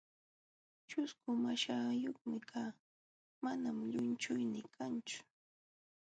ćhusku maśhayuqmi kaa, manam llunchuynii kanchu.